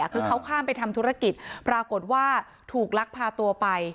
คือเขาข้ามไปทำธุรกิจปรากฏว่าถูกลักพาตัวไป